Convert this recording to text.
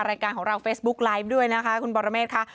รายการของเราเฟซบุ๊กไลฟ์ด้วยนะคะคุณบรเมฆค่ะ